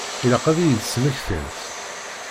Ilaq ad iyi-d-tesmektimt.